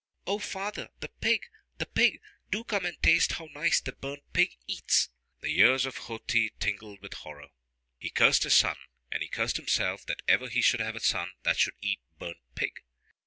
"O father, the pig, the pig, do come and taste how nice the burnt pig eats." The ears of Ho ti tingled with horror. He cursed his son, and he cursed himself that ever he should have a son that should eat burnt pig.